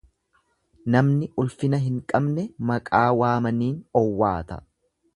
Namni ulfina hin beekne maqaa waamaniin owwaata.